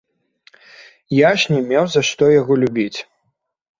Я ж не меў за што яго любіць.